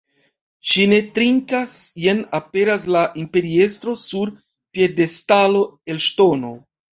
Ŝi ne trinkas, jen aperas la imperiestro sur piedestalo el ŝtono.